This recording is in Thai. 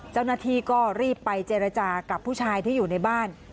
เจ้าหน้าที่ก็รีบไปเจรจากับผู้ชายที่อยู่ในบ้าน